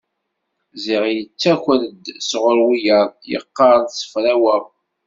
Ziɣ yettaker-d sɣur wiyaḍ, yeqqar-d ssefraweɣ!